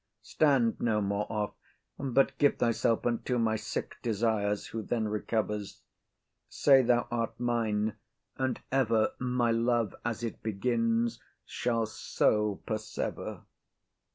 Stand no more off, But give thyself unto my sick desires, Who then recovers. Say thou art mine, and ever My love as it begins shall so persever.